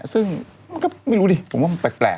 ซึ่งมันก็ไม่รู้ดิผมว่ามันแปลก